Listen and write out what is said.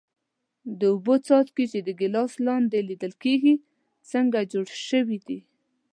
د اوبو څاڅکي چې د ګیلاس لاندې لیدل کیږي څنګه جوړ شوي دي؟